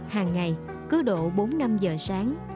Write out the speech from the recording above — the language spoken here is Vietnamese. hàng ngày cứ độ bốn năm giờ sáng